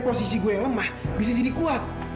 posisi gue yang lemah bisa jadi kuat